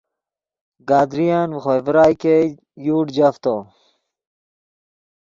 گدرین ڤے خوئے ڤرائے ګئے یوڑ جفتو